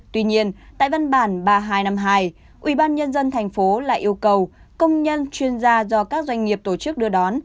tuy nhiên tại văn bản ba nghìn hai trăm năm mươi hai ubnd tp lại yêu cầu công nhân chuyên gia do các doanh nghiệp tổ chức đưa đón